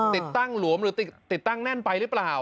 ติดตั้งหลวมหรือติดตั้งแน่นไปหรือเปล่า